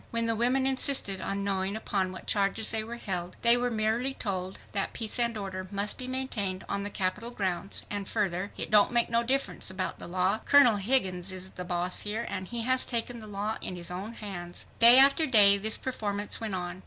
When the women insisted on knowing upon what charges they were held, they were merely told that "peace and order must be maintained on the Capitol grounds," and further, "It don't make no difference about the law, Colonel Higgins is boss here, and he has taken the law in his own hands." Day after day this performance went on.